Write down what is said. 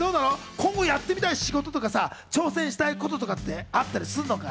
今後やってみたい仕事とか、挑戦したいことあったりするのかい？